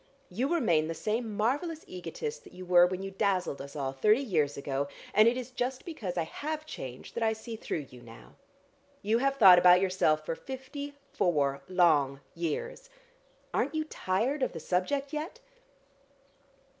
You remain the same marvellous egotist that you were when you dazzled us all thirty years ago, and it is just because I have changed that I see through you now. You have thought about yourself for fifty four long years. Aren't you tired of the subject yet?"